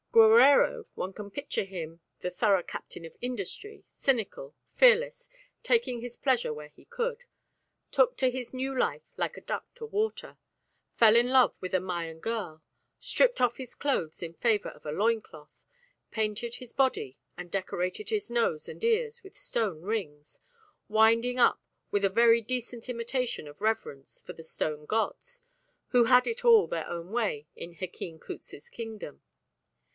Guerrero (one can picture him the thorough captain of industry, cynical, fearless, taking his pleasure where he could) took to his new life like a duck to water: fell in love with a Mayan girl, stripped off his clothes in favour of a loin cloth, painted his body and decorated his nose and ears with stone rings, winding up with a very decent imitation of reverence for the Stone Gods who had it all their own way in Hkin Cutz's kingdom.